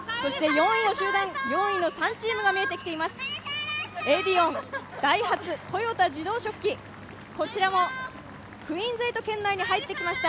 ４位集団４位の３チームが見えています。